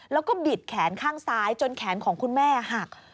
แล้วก็บิดแขนข้างซ้ายจนแขนของคุณแม่หัก